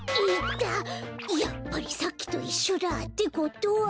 やっぱりさっきといっしょだ。ってことは。